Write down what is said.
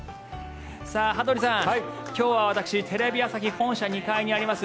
羽鳥さん、今日は私テレビ朝日本社２階にあります